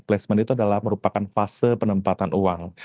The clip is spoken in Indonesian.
placement itu adalah merupakan fase penempatan uang